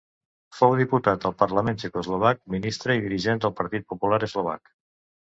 Fou diputat al Parlament txecoslovac, ministre i dirigent del Partit Popular Eslovac.